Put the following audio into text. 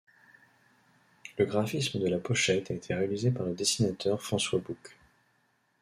Le graphisme de la pochette a été réalisé par le dessinateur François Boucq.